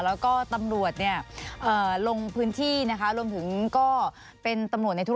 และก็ตำรวจลงพื้นที่รวมถึงก็เป็นตำรวจในบริษัท